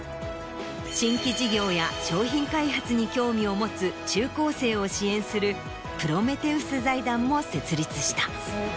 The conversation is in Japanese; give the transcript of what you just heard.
新規事業や商品開発に興味を持つ中・高生を支援するプロメテウス財団も設立した。